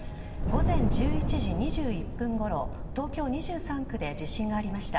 午前１１時２１分ごろ東京２３区で地震がありました。